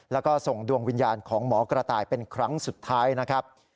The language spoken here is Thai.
แล้วก็ส่งดวงวิญญาณของหมอกระต่ายเป็นครั้งสุดท้ายนะครับ